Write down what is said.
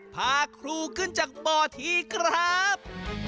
พาครูขึ้นจากบ่อทีครับ